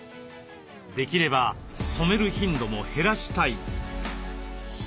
できれば染める頻度も減らしたい。